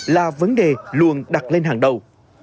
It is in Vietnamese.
là vấn đề luôn đặt lên hàng đầu